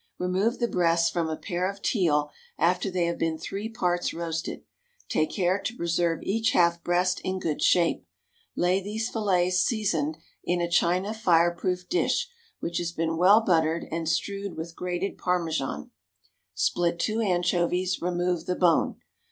_ Remove the breasts from a pair of teal after they have been three parts roasted. Take care to preserve each half breast in good shape. Lay these fillets seasoned in a china fire proof dish which has been well buttered and strewed with grated Parmesan; split two anchovies, remove the bone.